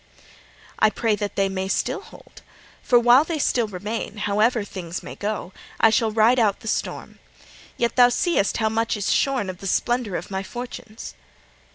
'I pray that they still may hold. For while they still remain, however things may go, I shall ride out the storm. Yet thou seest how much is shorn of the splendour of my fortunes.'